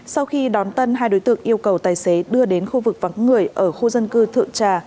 sau khi đón tân hai đối tượng yêu cầu tài xế đưa đến khu vực vắng người ở khu dân cư thượng trà